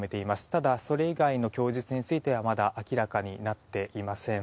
ただ、それ以外の供述についてはまだ明らかになっていません。